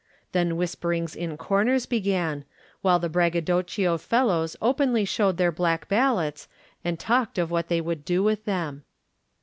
Then whisperings in comers began, while the braggadocio fellows openly showed their black ballots and talked of what they would do with them.